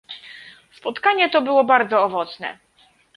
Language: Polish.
Spotkanie to było bardzo owocne